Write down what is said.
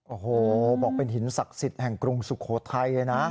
โอ้โหบอกเป็นหินศักดิ์สิทธิ์แห่งกรุงสุโขทัยเลยนะ